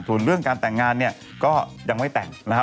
ส่วนเรื่องการแต่งงานเนี่ยก็ยังไม่แต่งนะครับ